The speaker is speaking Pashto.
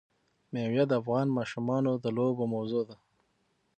مېوې د افغان ماشومانو د لوبو موضوع ده.